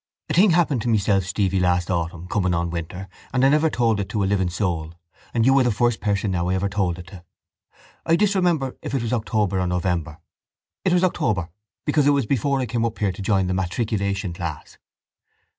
—A thing happened to myself, Stevie, last autumn, coming on winter, and I never told it to a living soul and you are the first person now I ever told it to. I disremember if it was October or November. It was October because it was before I came up here to join the matriculation class.